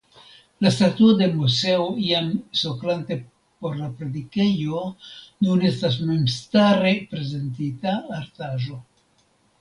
La statuo de Moseo iam soklante por la predikejo nun estas memstare prezentita artaĵo.